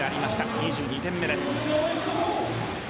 ２２点目です。